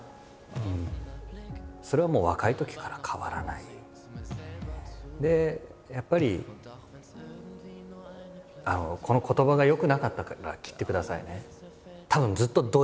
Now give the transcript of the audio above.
いやあ何かでやっぱりこの言葉が良くなかったら切ってくださいね。